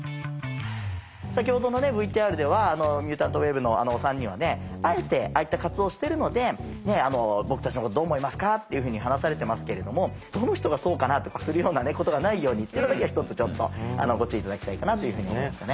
先ほどのＶＴＲではミュータントウェーブ。のあのお三人はあえてああいった活動をしてるので「僕たちのことをどう思いますか？」っていうふうに話されてますけれども「どの人がそうかな」とかするようなことがないようにってことだけは一つちょっとご注意頂きたいかなというふうに思いましたね。